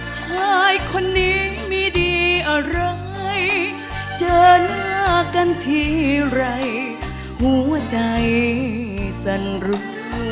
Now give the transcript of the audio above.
ชายคนนี้ไม่ดีอะไรเจอหน้ากันทีไรหัวใจสั่นรู้